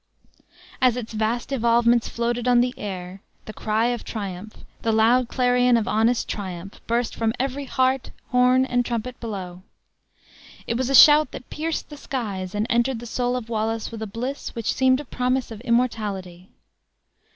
As its vast evolvements floated on the air, the cry of triumph, the loud clarion of honest triumph, burst from every heart, horn, and trumpet below. It was a shout that pierced the skies, and entered the soul of Wallace with a bliss which seemed a promise of immortality.